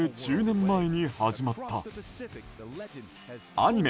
アニメ